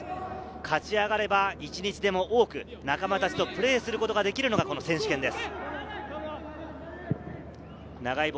勝ち上がれば、一日でも多く仲間たちとプレーすることができるのが選手権です。